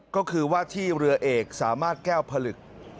ก็คือว่าที่เรือเอกสามารถแก้วผลึก